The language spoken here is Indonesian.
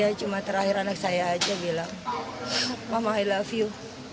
ya cuma terakhir anak saya aja bilang mama i love you